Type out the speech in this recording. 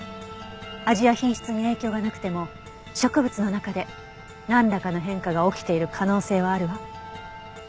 味や品質に影響がなくても植物の中でなんらかの変化が起きている可能性はあるわ。